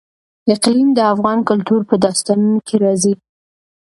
اقلیم د افغان کلتور په داستانونو کې راځي.